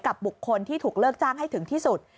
บุคคลที่ถูกเลิกจ้างให้ถึงที่สุด